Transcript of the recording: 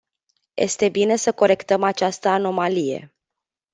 Este bine să corectăm această anomalie.